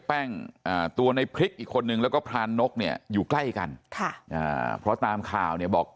แป้งตัวในพริกอีกคนนึงแล้วก็พรานนกเนี่ยอยู่ใกล้กันค่ะอ่าเพราะตามข่าวเนี่ยบอก